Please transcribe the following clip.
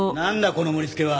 この盛り付けは。